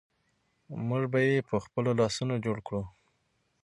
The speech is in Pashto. موږ به یې په خپلو لاسونو جوړ کړو.